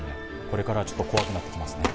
これからちょっと怖くなってきますね